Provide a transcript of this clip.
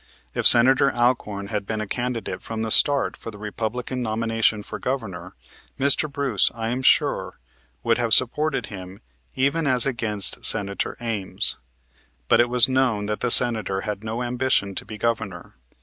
If Senator Alcorn had been a candidate from the start for the Republican nomination for Governor, Mr. Bruce, I am sure, would have supported him even as against Senator Ames. But it was known that the Senator had no ambition to be Governor.